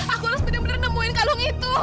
aku harus bener bener nemuin kalung itu